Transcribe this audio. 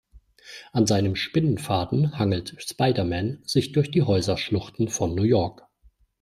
An seinem Spinnenfaden hangelt Spiderman sich durch die Häuserschluchten von New York.